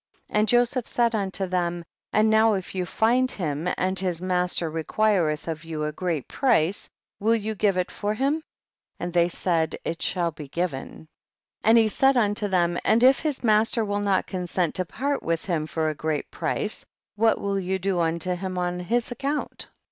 30. And Joseph said unto them, and now if you find him, and his master requireth of you a great price, will you give it for him ? and they said, it shall be given. 31. And he said unto them, and if his master will not consent to part with him for a great price, what will you do unto him on his account